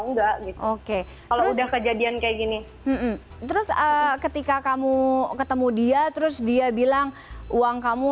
enggak gitu oke kalau udah kejadian kayak gini terus ketika kamu ketemu dia terus dia bilang uang kamu